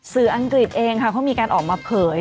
อังกฤษเองค่ะเขามีการออกมาเผย